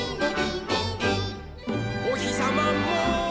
「おひさまも」